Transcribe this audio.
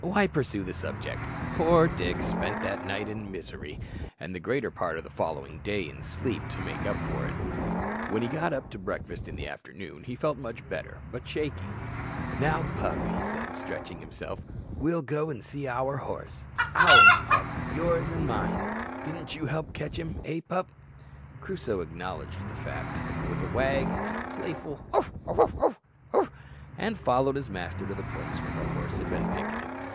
why pursue the subject. Poor Dick spent that night in misery, and the greater part of the following day in sleep, to make up for it. When he got up to breakfast in the afternoon he felt much better, but shaky. "Now, pup," he said, stretching himself, "we'll go and see our horse. Ours, pup; yours and mine: didn't you help to catch him, eh, pup?" Crusoe acknowledged the fact with a wag and a playful "bow wow wow oo ow!" and followed his master to the place where the horse had been picketed.